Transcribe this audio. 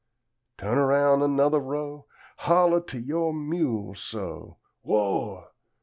Tu'n aroun' anothah row, Holler to yo' mule so: "Whoa!